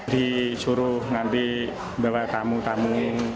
disuruh nanti bawa tamu tamu